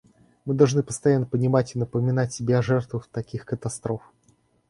Мы должны постоянно помнить и напоминать себе о жертвах таких катастроф.